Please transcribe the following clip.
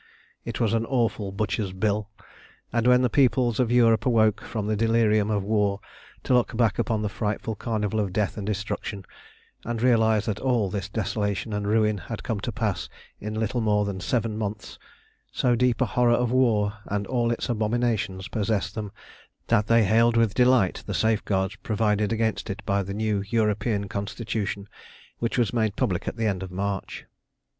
It was an awful butcher's bill, and when the peoples of Europe awoke from the delirium of war to look back upon the frightful carnival of death and destruction, and realise that all this desolation and ruin had come to pass in little more than seven months, so deep a horror of war and all its abominations possessed them that they hailed with delight the safeguards provided against it by the new European Constitution which was made public at the end of March.